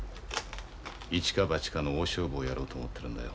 一か八かの大勝負をやろうと思ってるんだよ。